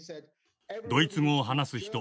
ドイツ語を話す人